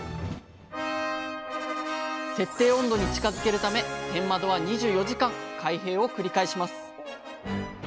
設定温度に近づけるため天窓は２４時間開閉を繰り返します。